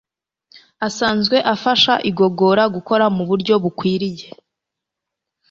asanzwe afasha igogora gukora mu buryo bukwiriye